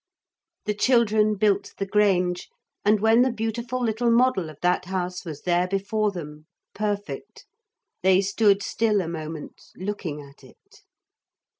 The children built the Grange, and when the beautiful little model of that house was there before them, perfect, they stood still a moment, looking at it.